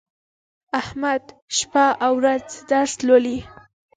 احمد شپه او ورځ درس لولي.